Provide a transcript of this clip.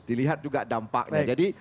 dilihat juga dampaknya jadi